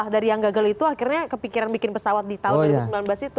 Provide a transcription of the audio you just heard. dari yang gagal itu akhirnya kepikiran bikin pesawat di tahun dua ribu sembilan belas itu